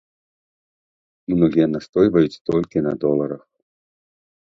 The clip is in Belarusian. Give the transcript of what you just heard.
Многія настойваюць толькі на доларах.